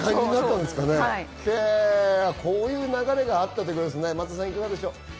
こういう流れがあったということですね、いかがですか。